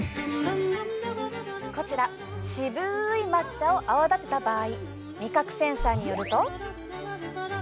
こちら、渋い抹茶を泡立てた場合味覚センサーによると。